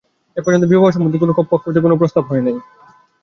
এ পর্যন্ত বিবাহ সম্বন্ধে কোনো পক্ষ হইতে কোনো প্রস্তাব হয় নাই।